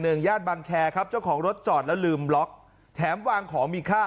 ญาติบังแคร์ครับเจ้าของรถจอดแล้วลืมล็อกแถมวางของมีค่า